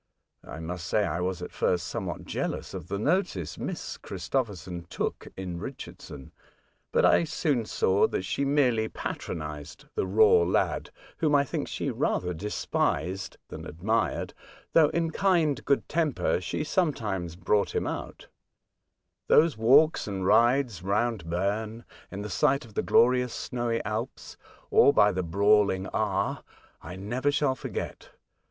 I must say I was, at first, somewhat jealous of the notice Miss Christopherson took in Richardson, but I soon saw that she merely patronised the raw lad, whom I think she rather despised than admired, though, in kind good temper, she sometimes brought him out. D 2 36 A Voyage to Other Worlds, Those walks and rides round Berne — in the sight of the glorious snowy Alps, or by the brawlino^ Aar — ^I never shall forg^et.